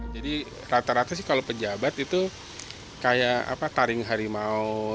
jadi rata rata sih kalau pejabat itu kayak apa taring harimau